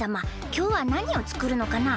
きょうはなにをつくるのかな？